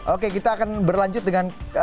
oke kita akan berlanjut dengan